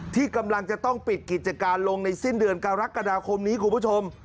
ที่กำลังจะต้องปิดกิจการลงในสิ้นเดือนกรกฎาคมนี้คุณผู้ชม